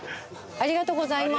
ありがとうございます。